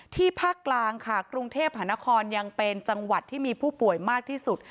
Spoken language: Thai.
ภาคกลางค่ะกรุงเทพหานครยังเป็นจังหวัดที่มีผู้ป่วยมากที่สุด